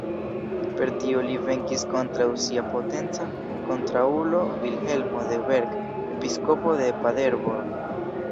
Per tio li venkis kontraŭ sia potenca kontraŭulo Vilhelmo de Berg, episkopo de Paderborn.